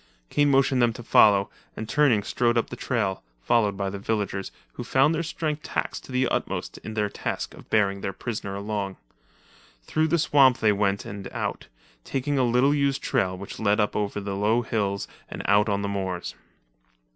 Kane motioned them to follow, and turning strode up the trail, followed by the villagers, who found their strength taxed to the utmost in their task of bearing their prisoner along. Through the swamp they went and out, taking a little used trail which led up over the low hills and out on the moors.